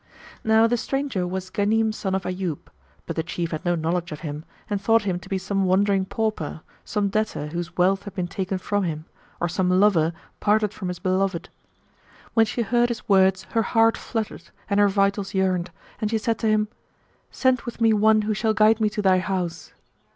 Now the stranger was Ghanim, son of Ayyub, but the Chief had no knowledge of him and thought him to be some wandering pauper, some debtor whose wealth had been taken from him, or some lover parted from his beloved. When she heard his words her heart fluttered[FN#134] and her vitals yearned, and she said to him, "Send with me one who shall guide me to thy house."